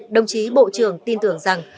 đồng chí bộ trưởng tin tưởng rằng